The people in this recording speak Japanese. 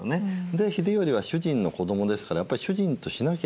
で秀頼は主人の子どもですからやっぱり主人としなきゃいけない。